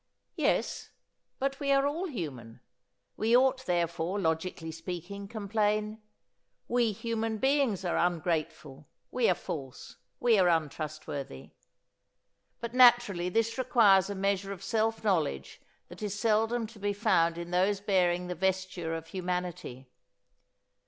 Yes, but we are all human. We ought, therefore, logically speaking, complain: "We human beings are ungrateful, we are false, we are untrustworthy." But naturally this requires a measure of self knowledge that is seldom to be found in those bearing the vesture of humanity.